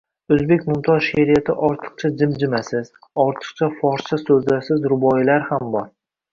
O‘zbek mumtoz sheʼriyatida ortiqcha jimjimasiz, ortiqcha forscha so‘zlarsiz ruboiylar ham bor.